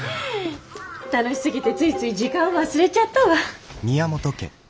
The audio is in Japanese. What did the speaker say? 楽しすぎてついつい時間を忘れちゃったわ。